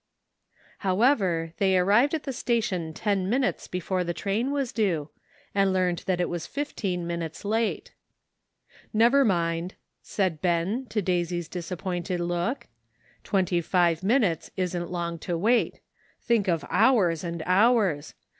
However, they arrived at the station ten min utes before the train was due, and learned that it was fifteen minutes late. "Never mind," said Ben, to Daisy's disap 126 WAITING. pointed look, "twenty five minutes isn't long to wait. Think of hours and hours